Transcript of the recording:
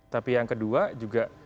tapi yang kedua juga